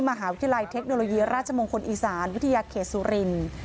มหาวิทยาลัยเทคโนโลยีราชมงคลอีสานวิทยาเขตสุรินทร์